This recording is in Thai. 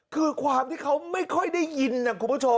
คือความที่เขาไม่ค่อยได้ยินนะคุณผู้ชม